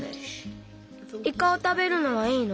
イカをたべるのはいいの？